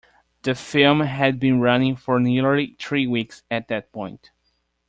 The film had been running for nearly three weeks at that point.